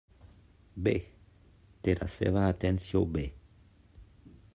Bé, té la seva atenció bé.